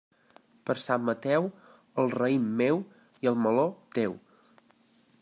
Per Sant Mateu, el raïm meu i el meló, teu.